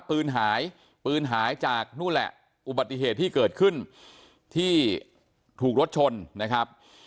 ปืนหายปืนหายจากนู่นแหละอุบัติเหตุที่เกิดขึ้นที่ถูกรถชนนะครับ